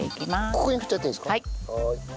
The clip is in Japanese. ここに振っちゃっていいんですか？